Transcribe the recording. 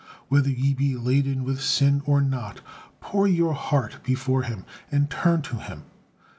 Whether ye be laden with sin, or not, 'pour your heart before Him,' and turn to Him."